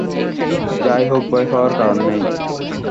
যা হোক, ভয় পাওয়ার কারণ নেই।